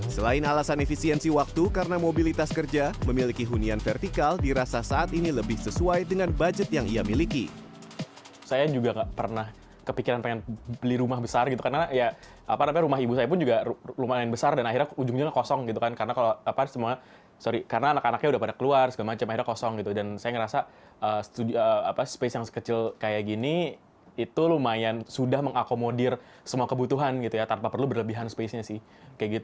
selain alasan efisiensi waktu karena mobilitas kerja memiliki hunian vertikal dirasa saat ini lebih sesuai dengan budget yang ia miliki